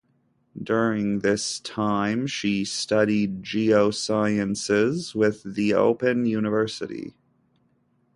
During this time she studied Geosciences with the Open University.